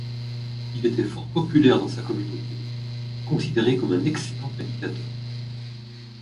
Il était fort populaire dans sa communauté et considéré comme un excellent prédicateur.